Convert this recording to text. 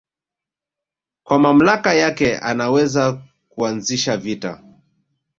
kwa mamlaka yake anaweza kuanzisha vita